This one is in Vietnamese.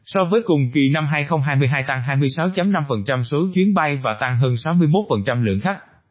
so với cùng kỳ năm hai nghìn hai mươi hai tăng hai mươi sáu năm số chuyến bay và tăng hơn sáu mươi một lượng khách